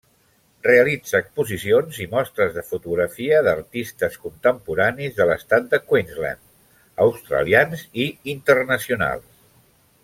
Realitza exposicions i mostres de fotografia d'artistes contemporanis de l'estat de Queensland, australians i internacionals.